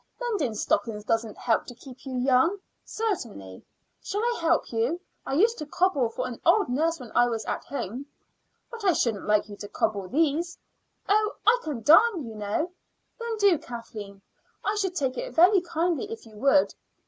"Mending stockings doesn't help to keep you young, certainly." "Shall I help you? I used to cobble for old nurse when I was at home." "But I shouldn't like you to cobble these." "Oh, I can darn, you know." "Then do, Kathleen. I should take it very kindly if you would.